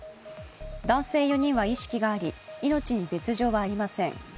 男性４人は意識があり命に別状はありません。